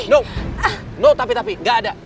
no nuh tapi tapi gak ada